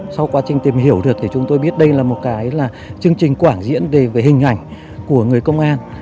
sau quá trình tìm hiểu được thì chúng tôi biết đây là một cái là chương trình quảng diễn về hình ảnh của người công an